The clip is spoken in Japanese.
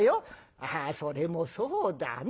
「ああそれもそうだね。